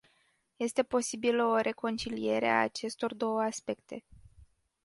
Este posibilă o reconciliere a acestor două aspecte.